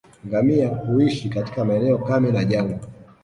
Ngamia huishi katika maeneo kame na jangwa